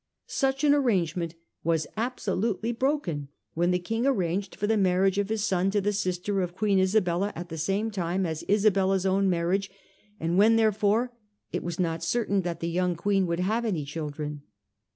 Such an agreement was absolutely broken when the King arranged for the marriage of his son to the sister of Queen Isabella at the same time as Isabella's own marriage, and when, therefore, it was not certain that the young Queen would have any children.